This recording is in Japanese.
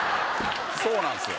そうなんですよ